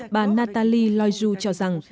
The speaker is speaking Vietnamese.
bà nathalie loiseau cho rằng